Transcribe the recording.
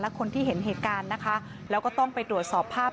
คนที่เห็นเหตุการณ์นะคะแล้วก็ต้องไปตรวจสอบภาพ